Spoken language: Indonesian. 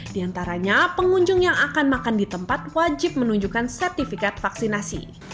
di antaranya pengunjung yang akan makan di tempat wajib menunjukkan sertifikat vaksinasi